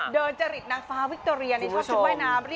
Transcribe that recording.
เดินจริตนักฟ้าวิทย์โตเรียในชุดว่ายน้ำ